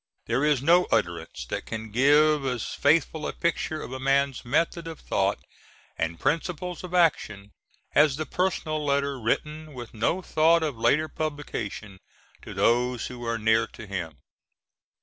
There is no utterance that can give as faithful a picture of a man's method of thought and principle of action as the personal letter written, with no thought of later publication, to those who are near to him.